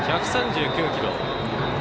１３９キロ。